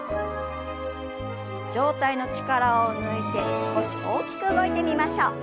上体の力を抜いて少し大きく動いてみましょう。